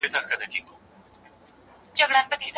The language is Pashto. هغه په خوب کې بیا د کابل په کوڅو کې روانه وه.